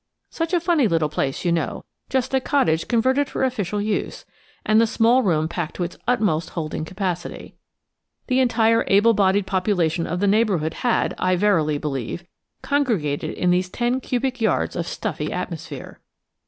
Such a funny little place, you know–just a cottage converted for official use–and the small room packed to its utmost holding capacity. The entire able bodied population of the neighbourhood had, I verily believe, congregated in these ten cubic yards of stuffy atmosphere.